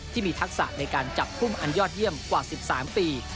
ทักษะในการจับกุ้มอันยอดเยี่ยมกว่า๑๓ปี